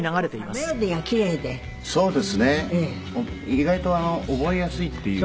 意外と覚えやすいっていうか。